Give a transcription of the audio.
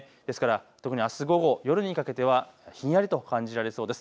特にあす午後、夜にかけてはひんやりと感じられそうです。